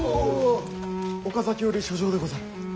岡崎より書状でござる。